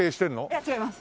いや違います。